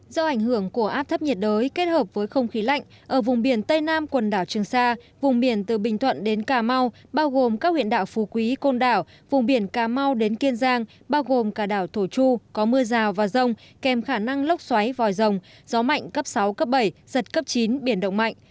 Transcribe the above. do ảnh hưởng của áp thấp nhiệt đới kết hợp với không khí lạnh ở vùng biển tây nam quần đảo trường sa vùng biển từ bình thuận đến cà mau bao gồm các huyện đảo phú quý côn đảo vùng biển cà mau đến kiên giang bao gồm cả đảo thổ chu có mưa rào và rông kèm khả năng lốc xoáy vòi rồng gió mạnh cấp sáu cấp bảy giật cấp chín biển động mạnh